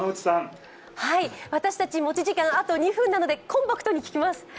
私たち持ち時間あと２分なので、コンパクトに聞きます。